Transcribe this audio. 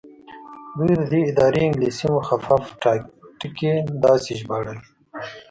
دوی د دې ادارې انګلیسي مخفف ټکي داسې ژباړل.